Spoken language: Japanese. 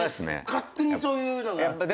勝手にそういうのがあって。